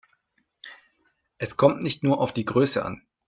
Es kommt nicht nur auf die Größe an.